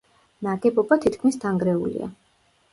ნაგებობა თითქმის დანგრეულია.